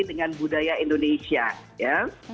dengan budaya indonesia ya